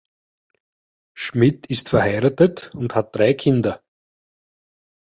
Schmid ist verheiratet und hat drei Kinder.